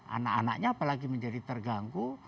anak anaknya apalagi menjadi terganggu